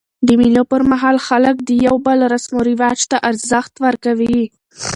د مېلو پر مهال خلک د یو بل رسم و رواج ته ارزښت ورکوي.